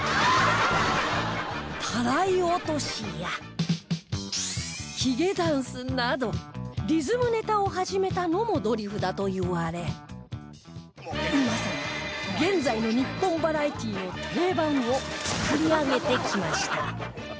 タライ落としやヒゲダンスなどリズムネタを始めたのもドリフだといわれまさに現在の日本バラエティの定番を作り上げてきました